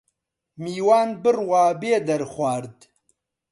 میوان بڕوا بێ دەرخوارد